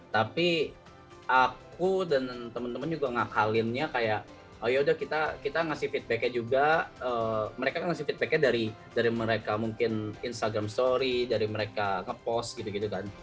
tapi aku dan temen temen juga ngakalinnya kayak ya udah kita ngasih feedbacknya juga mereka ngasih feedbacknya dari mereka mungkin instagram story dari mereka ngepost gitu gitu kan